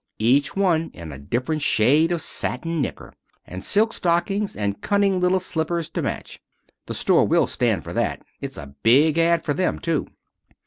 Each one in a different shade of satin knicker. And silk stockings and cunning little slippers to match. The store will stand for that. It's a big ad for them, too."